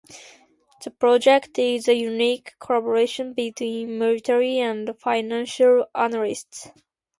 The project is a unique collaboration between military and financial analysts.